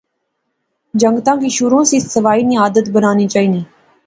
جنگتاں کی شروع سی صفائی نی عادت بنانی چاینی